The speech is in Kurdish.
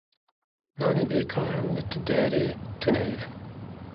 Nanê bêkaran li ti derê tune ye.